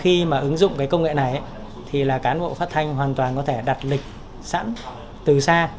khi mà ứng dụng cái công nghệ này thì là cán bộ phát thanh hoàn toàn có thể đặt lịch sẵn từ xa